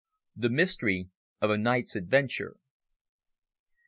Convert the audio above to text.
THE MYSTERY OF A NIGHT'S ADVENTURE.